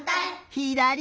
ひだり！